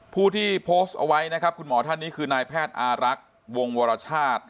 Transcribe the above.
ผู้ที่โพสต์เอาไว้นะครับคุณหมอท่านนี้คือนายแพทย์อารักษ์วงวรชาติ